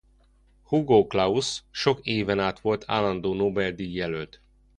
Hugo Claus sok éven át volt állandó Nobel-díj jelölt.